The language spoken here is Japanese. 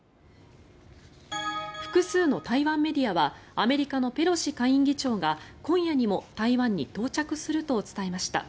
複数の台湾メディアはアメリカのペロシ下院議長が今夜にも台湾に到着すると伝えました。